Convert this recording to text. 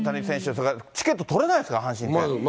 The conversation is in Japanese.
それからチケット取れないですか、阪神けん。